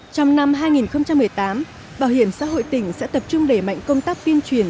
trong năm hai nghìn một mươi tám bảo hiểm xã hội tỉnh sẽ tập trung đẩy mạnh công tác tuyên truyền